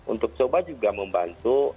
untuk coba juga membantu